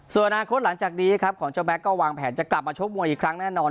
ส่วนอนาคตหลังจากนี้ครับของเจ้าแม็กซก็วางแผนจะกลับมาชกมวยอีกครั้งแน่นอน